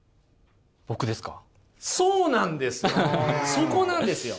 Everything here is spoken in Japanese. そこなんですよ！